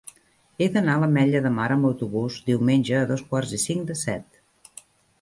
He d'anar a l'Ametlla de Mar amb autobús diumenge a dos quarts i cinc de set.